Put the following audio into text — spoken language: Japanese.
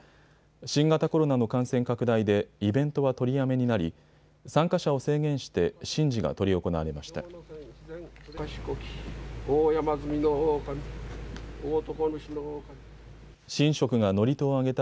新型コロナの感染拡大でイベントは取りやめになり参加者を制限して神事が執り行われました。